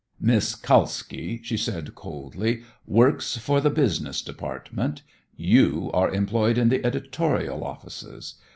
"Miss Kalski," she said coldly, "works for the business department. You are employed in the editorial offices.